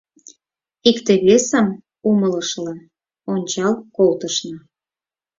Икте-весым умылышыла ончал колтышна.